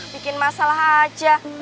bikin masalah aja